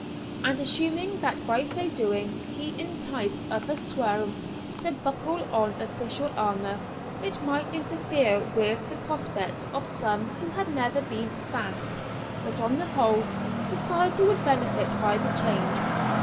And assuming that by so doing he enticed other "swells" to buckle on official armour, it might interfere with the prospects of some who had never been "fast," but on the whole, society would benefit by the change.